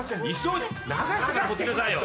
流してから持っていきなさいよ。